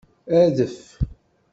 Adef!